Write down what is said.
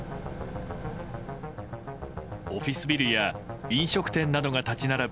オフィスビルや飲食店などが立ち並ぶ